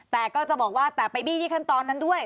แต่ก็จะบอกว่าแต่ไปบี้ที่ขั้นตอนนั้นด้วย